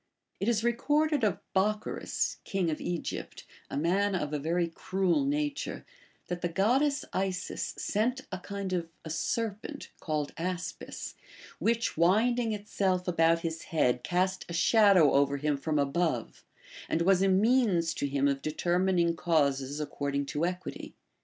It is recorded of Bocchoris, king of Egypt, a man of a very cruel nature, that the goddess Isis sent a kind of a serpent (called aspis), which winding itself about his head cast a shadow over him from above, and was a means to him of determining causes according to equity.